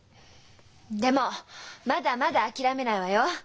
でもまだまだ諦めないわよ！